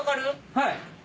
はい。